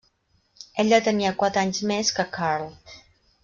Ella tenia quatre anys més que Karl.